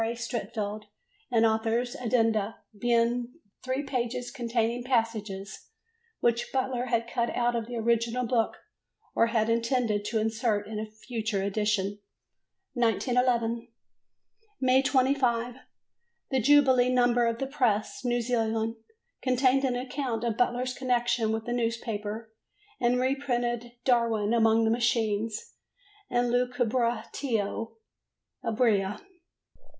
A. Streatfeild and author's addenda, being three pages containing passages which Butler had cut out of the original book or had intended to insert in a future edition. 1911. May 25. The jubilee number of the Press, New Zealand, contained an account of Butler's connection with the newspaper and reprinted "Darwin among the Machines" and "Lucubratio Ebria."